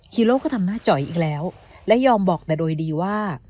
ฮีโร่ก็ทำหน้าจอยอีกแล้วและยอมบอกแต่โดยดีว่า